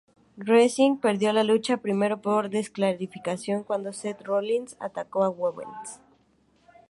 Reigns perdió la lucha, primero por descalificación cuando Seth Rollins atacó a Owens.